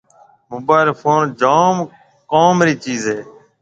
موبائل فون جام ڪم رِي چيز ھيََََ